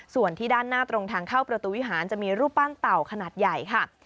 ส่วนที่ด้านหน้าตรงทางเข้าประตูวิหารจะมีรูปปั้นเต่าขนาดใหญ่ค่ะ